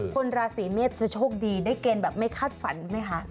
คนราศีเมษจะโชคดีได้เกณฑ์แบบไม่คาดฝันไหมคะ